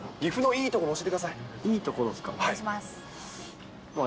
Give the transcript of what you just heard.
いいところですか。